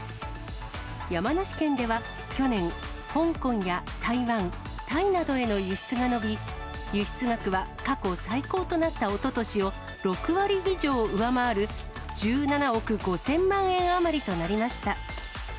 山梨県では、去年、香港や台湾、タイなどへの輸出が伸び、輸出額は過去最高となったおととしを６割以上上回る、１７億５０００万円余りとなりました。